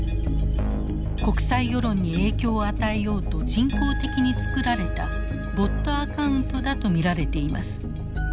国際世論に影響を与えようと人工的に作られたボットアカウントだと見られています。